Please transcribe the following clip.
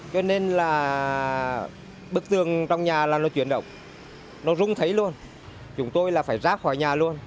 cho nên là bức tường trong nhà là nó chuyển động nó rung thấy luôn chúng tôi là phải rác khỏi nhà luôn